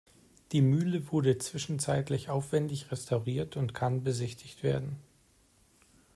Die Mühle wurde zwischenzeitlich aufwändig restauriert und kann besichtigt werden.